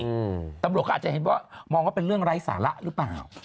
นกอาจจะเห็นว่ามองว่าเป็นเรื่องไร้สาระหรือเปล่า